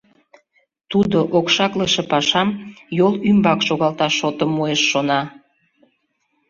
Тудо окшаклыше пашам йол ӱмбак шогалташ шотым муэш, шона.